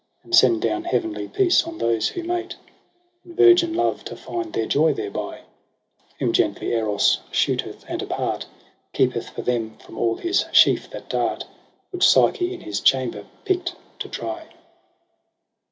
And send down heavenly peace on those who mate, In virgin love, to find their joy thereby : Whom gently Eros shooteth, and apart Keepeth for them from all his sheaf that dart Which Psyche in his chamber pickt to try.